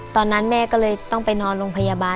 ตอนนั้นแม่ก็เลยต้องไปนอนโรงพยาบาล